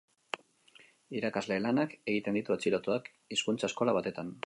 Irakasle lanak egiten ditu atxilotuak hizkuntza eskola batetan.